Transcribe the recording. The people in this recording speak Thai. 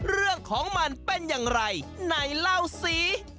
เรื่องของมันเป็นอย่างไรในเล่าสิ